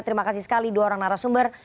terima kasih sekali dua orang narasumber